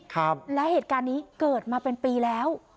ครับแล้วเหตุการณ์นี้เกิดมาเป็นปีแล้ว